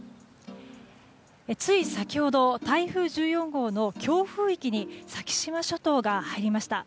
つい先ほど台風１４号の強風域に先島諸島が入りました。